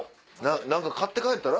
何か買って帰ったら？